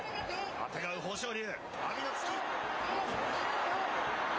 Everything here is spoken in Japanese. あてがう豊昇龍。